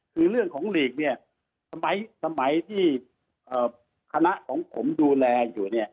คือเรื่องของหลีกเนี่ยสมัยที่คณะของผมดูแลอยู่เนี่ย